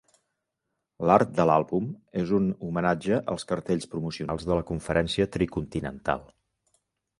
L'art de l'àlbum és un homenatge als cartells promocionals de la Conferència Tricontinental.